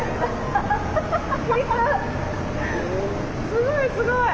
すごいすごい！